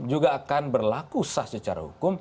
juga akan berlaku sah secara hukum